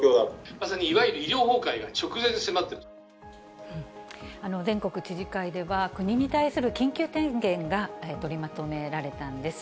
まさにいわゆる医療崩壊が直全国知事会では、国に対する緊急提言が取りまとめられたんです。